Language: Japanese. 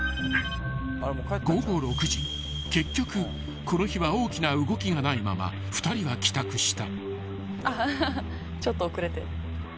［結局この日は大きな動きがないまま２人は帰宅した］